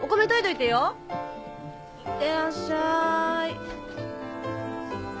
いってらっしゃい。